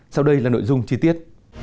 sau đây là nội dung chi tiết